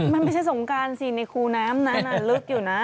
มันไม่ใช่สงการสิในคูน้ำนั้นลึกอยู่นะ